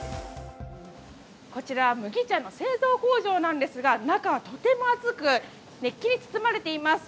こちら麦茶の製造工場なんですが中はとても暑く、熱気に包まれています。